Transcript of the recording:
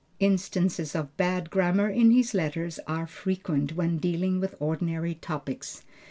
Instances of bad grammar in his letters are frequent, when dealing with ordinary topics.